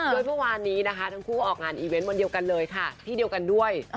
โดยเมื่อวานนี้นะคะทั้งคู่ก็ออกงานอีเวนต์วันเดียวกันเลยค่ะที่เดียวกันด้วย